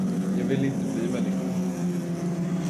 Jag vill inte bli människa.